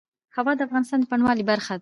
هوا د افغانستان د بڼوالۍ برخه ده.